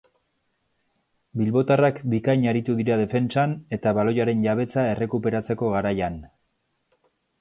Bilbotarrak bikain aritu dira defentsan, eta baloiaren jabetza errekuperatzeko garaian.